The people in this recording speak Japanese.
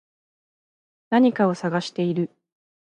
何かを探している